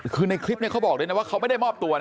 คือในคลิปเขาบอกด้วยนะว่าเขาไม่ได้มอบตัวนะ